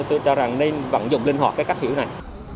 tôi cho rằng nên vận dụng linh hoạt cái cách hiểu này